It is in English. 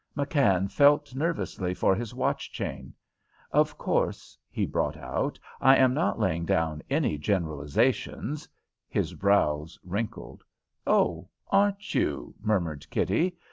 McKann felt nervously for his watch chain. "Of course," he brought out, "I am not laying down any generalizations " His brows wrinkled. "Oh, aren't you?" murmured Kitty.